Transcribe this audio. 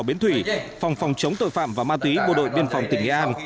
biến thủy phòng phòng chống tội phạm và ma túy bộ đội biên phòng tỉnh nghệ an